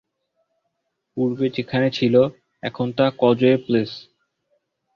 পূর্বে যেখানে ছিল এখন তা কজওয়ে প্লেস।